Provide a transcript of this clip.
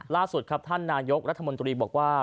ล่าสุดครับท่านนายกรัฐมนตรีบอกว่า